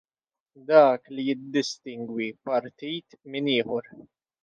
Dak li jiddistingwi partit minn ieħor.